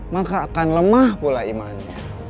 maka akan lemah pula imannya